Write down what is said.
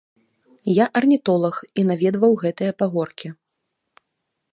Я арнітолаг, і наведваў гэтыя пагоркі.